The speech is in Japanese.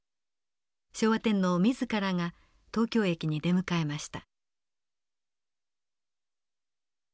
昭和天皇自らが東京駅に出迎えました。